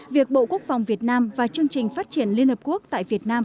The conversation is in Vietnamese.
việc bộ quốc phòng việt nam và chương trình phát triển liên hợp quốc tại việt nam